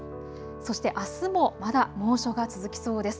そしてあすもまだ猛暑が続きそうです。